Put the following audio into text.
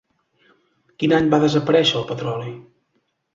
Quin any va desaparèixer el petroli?